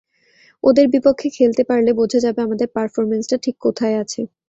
ওদের বিপক্ষে খেলতে পারলে বোঝা যাবে আমাদের পারফরম্যান্সটা ঠিক কোথায় আছে।